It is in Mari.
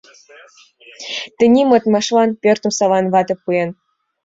Тений модмашлан пӧртым Саван вате пуэн.